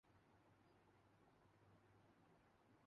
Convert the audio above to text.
کتابی خیالات کو پسند نہیں کرتا